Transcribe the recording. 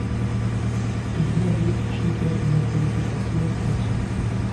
Im Hammerwurf schied er in der Qualifikation aus.